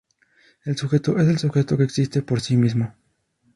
El sujeto es el sujeto que "existe por sí mismo".